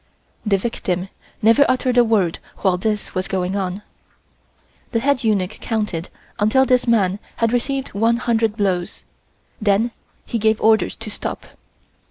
The victim never uttered a word while this was going on. The head eunuch counted until this man had received one hundred blows, then he gave orders to stop.